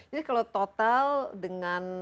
jadi kalau total dengan